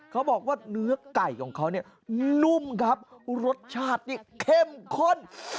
เขาบอกว่าเนื้อไก่ของเขาเนี่ยนุ่มครับรสชาตินี่เข้มข้น